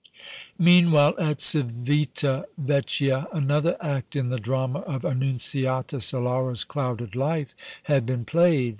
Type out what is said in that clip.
Meanwhile at Civita Vecchia another act in the drama of Annunziata Solara's clouded life had been played.